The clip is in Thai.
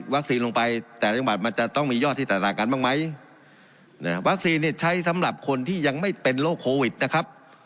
วัคซีนลงไปแต่ต้องมียอดที่ต่างจากกันบ้างไหมเนี่ยวัคซีนเนี่ยใช้สำหรับคนที่ยังไม่เป็นโลกโควิดนะครับ